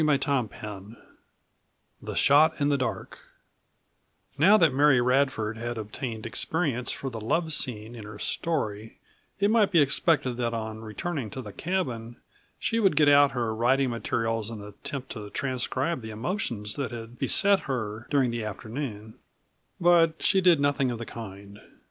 CHAPTER XIX THE SHOT IN THE DARK Now that Mary Radford had obtained experience for the love scene in her story it might be expected that on returning to the cabin she would get out her writing materials and attempt to transcribe the emotions that had beset her during the afternoon, but she did nothing of the kind.